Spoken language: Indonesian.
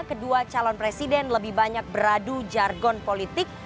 kedua calon presiden lebih banyak beradu jargon politik